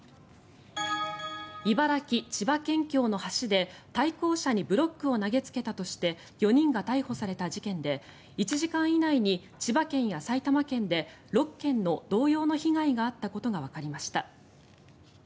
茨城・千葉県境の橋で対向車にブロックを投げつけたとして４人が逮捕された事件で１時間以内に千葉県や埼玉県で６件の同様の被害があったことがわかりました。